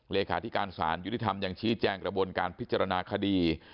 เลขาธิการสารยุติธรรมยังชี้แจงกระบวนการพิจารณาคดี